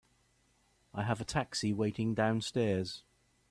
I have a taxi waiting downstairs.